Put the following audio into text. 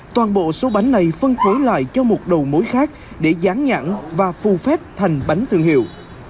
toàn bộ số bánh này phân phối lại cho một đầu mối khác để dán nhãn và phù phép thành bánh thương hiệu